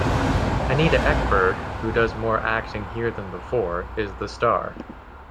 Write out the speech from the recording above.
Anita Ekberg, who does more acting here than before, is the star.